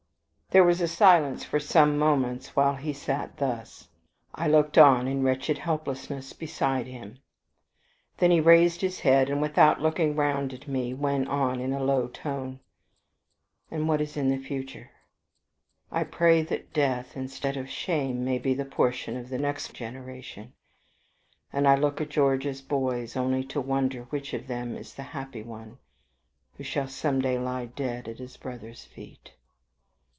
There was a silence for some moments while he sat thus, I looking on in wretched helplessness beside him. Then he raised his head, and, without looking round at me, went on in a low tone: "And what is in the future? I pray that death instead of shame may be the portion of the next generation, and I look at George's boys only to wonder which of them is the happy one who shall some day lie dead at his brother's feet.